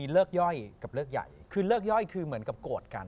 เลิกใหญ่คือเลิกย้อยคือเหมือนกับโกรธกัน